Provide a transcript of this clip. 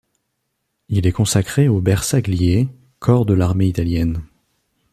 Il est consacré aux bersagliers, corps de l'armée italienne.